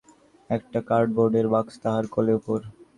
একটা কার্ড বোর্ডের বাক্স তাহার কোলের উপর।